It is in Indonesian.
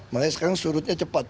makanya sekarang surutnya cepat